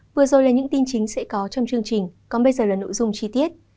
vừa rồi là những tin chính sẽ có trong chương trình còn bây giờ là nội dung chi tiết